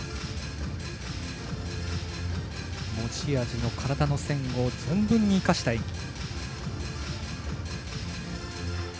持ち味の体の線を存分に生かした演技。